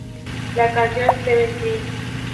La canción "Seven〜tri.